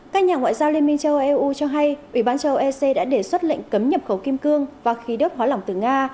các nhà ngoại giao liên minh châu âu eu cho hay ủy ban châu âu ec đã đề xuất lệnh cấm nhập khẩu kim cương và khí đốt hóa lỏng từ nga